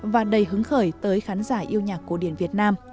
và đầy hứng khởi tới khán giả yêu nhạc cổ điển việt nam